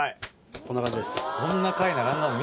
こんな感じです。